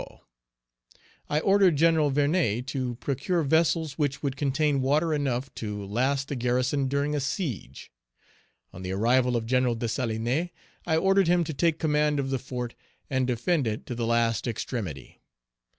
I ordered Gen. Vernet to procure vessels which would contain water enough to last the garrison during a siege. On the arrival of Gen. Dessalines, I ordered him to take command of the fort and defend it to the last extremity.